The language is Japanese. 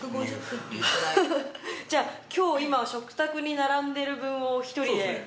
じゃあ今日今食卓に並んでる分をお１人で？